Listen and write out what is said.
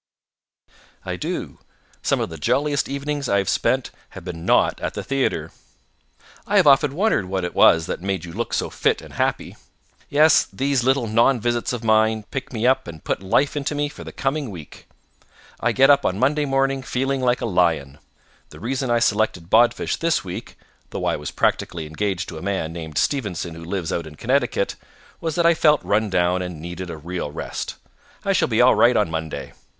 "I do. Some of the jolliest evenings I have spent have been not at the theatre." "I have often wondered what it was that made you look so fit and happy." "Yes. These little non visits of mine pick me up and put life into me for the coming week. I get up on Monday morning feeling like a lion. The reason I selected Bodfish this week, though I was practically engaged to a man named Stevenson who lives out in Connecticut, was that I felt rundown and needed a real rest. I shall be all right on Monday."